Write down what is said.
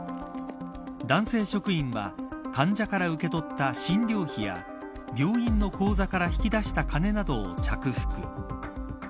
男性職員は患者から受け取った診療費や病院の口座から引き出した金などを着服。